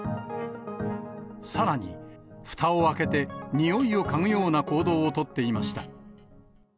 さらに、ふたを開けてにおいを嗅ぐような行動を取っていました。